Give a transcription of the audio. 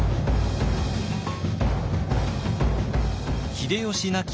秀吉亡き